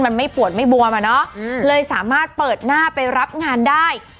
มันไม่ปวดไม่บวมอะเนาะเลยสามารถเปิดหน้าไปรับงานได้